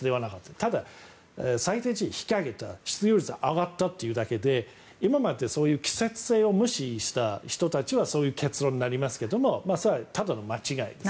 ただ、最低賃金を引き上げた失業率が上がったというだけで今まで、そういう季節性を無視した人たちはそういう結論になりますけどそれはただの間違えです。